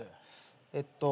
えっと。